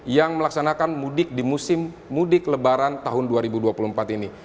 yang melaksanakan mudik di musim mudik lebaran tahun dua ribu dua puluh empat ini